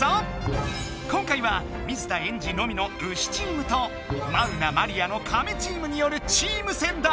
今回は水田エンジのみのウシチームとマウナマリアのカメチームによるチーム戦だ！